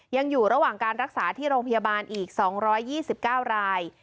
ยังอยู่ระหว่างการรักษาที่โรงพยาบาลอีก๒๒๙ราย